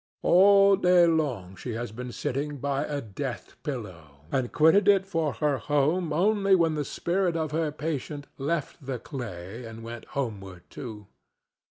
All day long she has been sitting by a death pillow, and quitted it for her home only when the spirit of her patient left the clay and went homeward too.